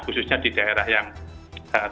khususnya di daerah yang